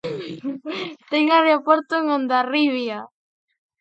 Ten aeroporto en Hondarribia.